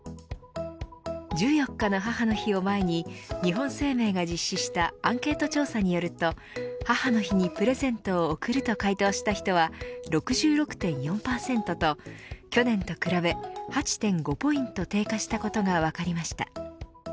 １４日の母の日を前に日本生命が実施したアンケート調査によると母の日にプレゼントを贈ると回答した人は６６．４％と去年と比べ８．５ポイント低下したことが分かりました。